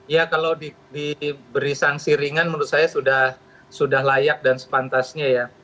ya kalau diberi sanksi ringan menurut saya sudah layak dan sepantasnya ya